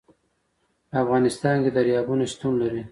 په افغانستان کې دریابونه شتون لري.